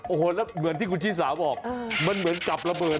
โอ้โหแล้วเหมือนที่คุณชิสาบอกมันเหมือนกับระเบิด